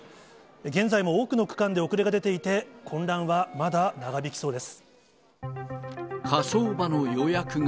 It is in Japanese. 現在も多くの区間で遅れが出ていて、混乱はまだ長引きそうです。